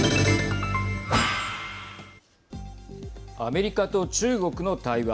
アメリカと中国の対話。